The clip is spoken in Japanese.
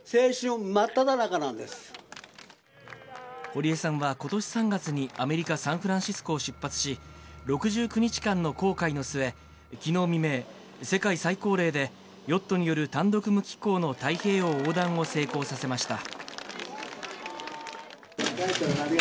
堀江さんは今年３月にアメリカ・サンフランシスコを出発し６９日間の航海の末昨日未明、世界最高齢でヨットによる単独無寄港の太平洋横断を成功させました。